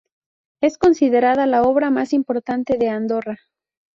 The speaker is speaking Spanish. Es considerada la obra más importante de Andorra.